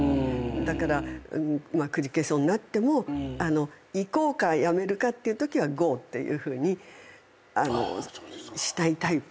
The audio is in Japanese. だからくじけそうになっても行こうかやめるかっていうときはＧＯっていうふうにしたいタイプ。